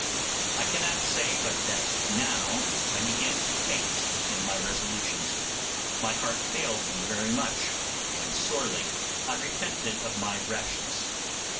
I cannot say but that now I began to faint in my resolutions; my heart failed me very much, and sorely I repented of my rashness.